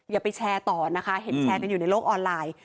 อย่าไปแชร์ต่อนะคะเห็นแชร์กันอยู่ในโลกออนไลน์